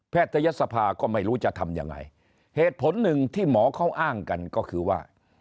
ทยศภาก็ไม่รู้จะทำยังไงเหตุผลหนึ่งที่หมอเขาอ้างกันก็คือว่า